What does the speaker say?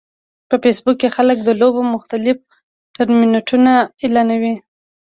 په فېسبوک کې خلک د لوبو مختلف ټورنمنټونه اعلانوي